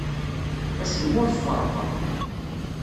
Acemma ur t-ferrqeɣ.